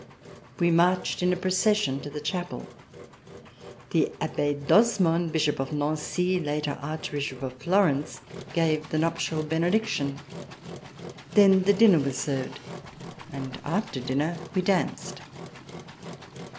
We marched in a procession to the chapel. The Abbe d'Osmond, Bishop of Nancy, later Archbishop of Florence, gave the nuptial benediction. Then the dinner was served, and after dinner we danced.